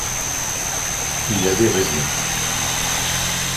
Il avait raison.